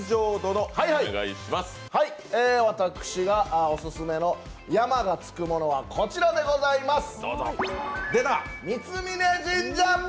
私がオススメの山がつくものはこちらでございます。